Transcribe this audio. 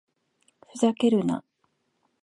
ふざけるな